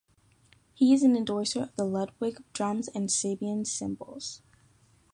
He is an endorser of Ludwig Drums and Sabian cymbals.